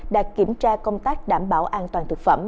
đã kiểm tra công tác đảm bảo an toàn thực phẩm